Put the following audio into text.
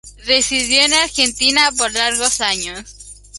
Residió en Argentina por largos años.